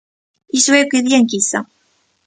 Iso é o que di a enquisa.